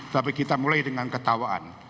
tapi kita mulai dengan ketawaan